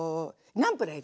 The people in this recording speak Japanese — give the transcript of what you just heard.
ナンプラー！へ。